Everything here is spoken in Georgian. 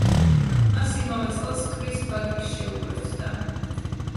მას იმავე წელს კრის ბაკი შეუერთდა.